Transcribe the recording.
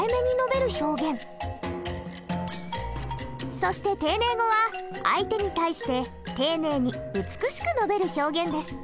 そして丁寧語は相手に対して丁寧に美しく述べる表現です。